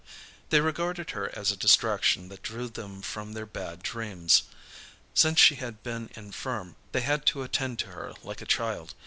They regarded her as a distraction that drew them from their bad dreams. Since she had been infirm, they had to attend to her like a child.